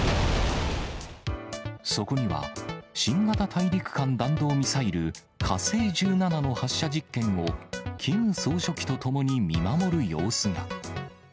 そこには、新型大陸間弾道ミサイル、火星１７の発射実験を、キム総書記と共に見守る様子が。